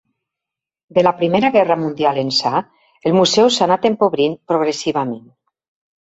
De la Primera Guerra Mundial ençà, el museu s'ha anat empobrint progressivament.